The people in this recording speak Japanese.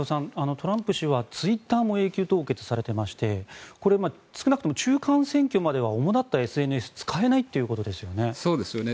トランプ氏はツイッターも永久凍結されてましてこれ、少なくとも中間選挙までは主立ったＳＮＳは使えないということですよね。